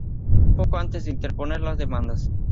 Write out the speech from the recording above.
poco antes de interponer las demandas